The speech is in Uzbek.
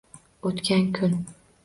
О’tkan kun